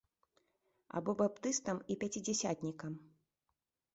Або баптыстам і пяцідзясятнікам.